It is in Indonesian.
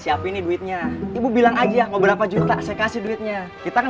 siapin nih duitnya ibu bilang aja mau berapa juta saya kasih duitnya kita kan